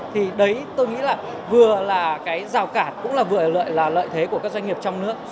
thì đấy tôi nghĩ là vừa là cái rào cản cũng là vừa là lợi thế của các doanh nghiệp trong nước